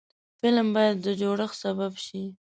فلم باید د جوړښت سبب شي